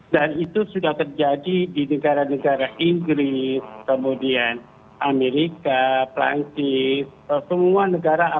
dan itu sudah terjadi di negara negara inggris kemudian amerika perancis semua negara